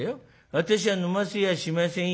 『私は飲ませやしませんよ』。